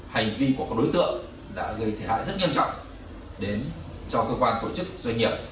hành vi của các đối tượng đã gây thiệt hại rất nghiêm trọng cho cơ quan tổ chức doanh nghiệp